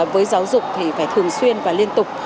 với giáo dục thì phải thường xuyên và liên tục